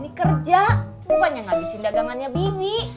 gak bisa kerja bukannya ga bisa dagangannya bibi